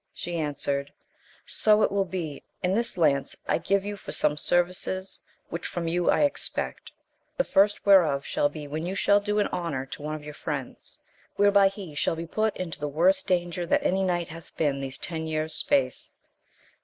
She answered, So it will be ; and this lance I give you for some services which from you I expect ; the first whereof shall be when you shall do an honour to one of your friends, whereby he shall be put into the worst danger that any knight hath been these ten years space.